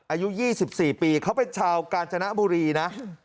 อายุยี่สิบสี่ปีเขาเป็นชาวกาญจนบุรีนะ